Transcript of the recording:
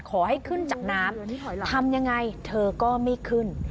ขอให้ขึ้นจากน้ำทำยังไงเธอก็ไม่ขึ้น